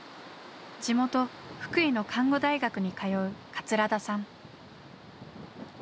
地元福井の看護大学に通う桂田さん。